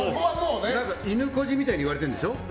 イヌコジみたいに言われてるんだよね？